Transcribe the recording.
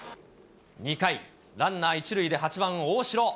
２回、ランナー１塁で８番大城。